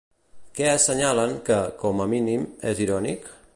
Què assenyalen que, com a mínim, és irònic?